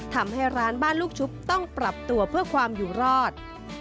ทำให้ร้านบ้านลูกชุบต้องปรับตัวเพื่อความอยู่รอด